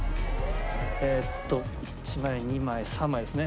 えっと１枚２枚３枚ですね。